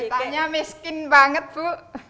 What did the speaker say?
ceritanya miskin banget bu